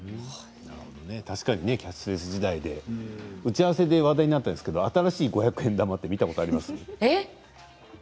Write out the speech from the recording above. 確かにキャッシュレス時代で打ち合わせで話題になったんですけど新しい５００円玉って見たことあります？